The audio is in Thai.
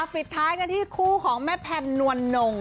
ปิดท้ายกันที่คู่ของแม่แพมนวลนง